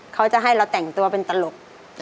เขาจะให้เราแต่งตัวเป็นตลก